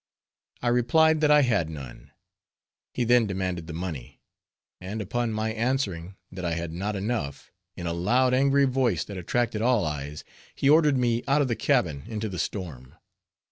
I replied that I had none. He then demanded the money; and upon my answering that I had not enough, in a loud angry voice that attracted all eyes, he ordered me out of the cabin into the storm.